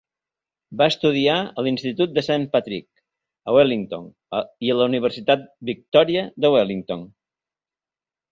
Va estudiar a l'Institut de Saint Patrick, a Wellington, i a la Universitat Victòria de Wellington